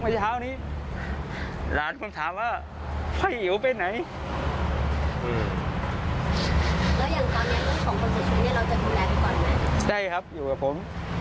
ใช่ครับอยู่กับผม